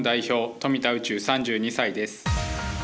富田宇宙、３２歳です。